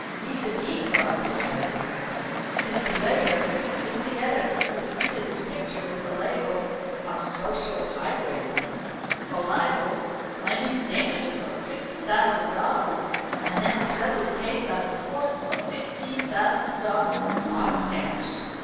Even he profited by this, since he later sued the editor who printed his picture with the label "A Social Highwayman" for libel, claiming damages of $50,000, and then settled the case out of court for $15,000, spot cash.